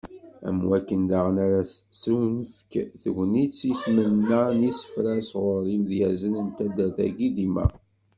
Am wakken daɣen ara tettunefk tegnit i tmenna n yisefra sɣur yimedyazen n taddart-agi dimma.